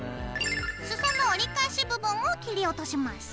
裾の折り返し部分を切り落とします。